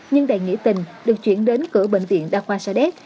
nhưng đại nghĩa tình được chuyển đến cửa bệnh viện đa khoa sa đéc